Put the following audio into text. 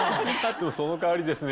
その代わりですね